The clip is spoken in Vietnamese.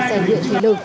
giải luyện thí lực